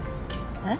えっ？